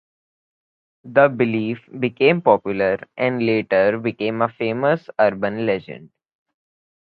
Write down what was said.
The belief became popular and later became a famous urban legend.